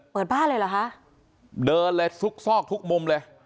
เปิดบ้านเลยเหรอคะเดินเลยซุกซอกทุกมุมเลย